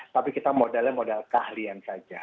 tapi kita modalnya modal keahlian saja